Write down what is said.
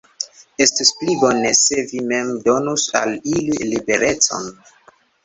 Estus pli bone, se vi mem donus al ili liberecon.